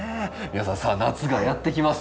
皆さんさあ夏がやって来ます。